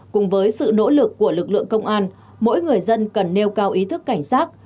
cùng với sự nỗ lực của lực lượng công an mỗi người dân cần nêu cao ý thức cảnh sát